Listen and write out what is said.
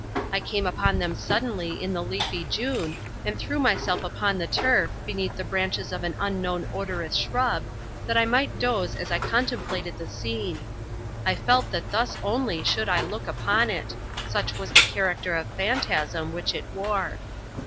I came upon them suddenly in the leafy June, and threw myself upon the turf, beneath the branches of an unknown odorous shrub, that I might doze as I contemplated the scene. I felt that thus only should I look upon it—such was the character of phantasm which it wore.